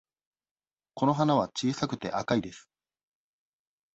この花は小さくて赤いです。